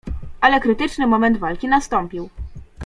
"Ale krytyczny moment walki nastąpił."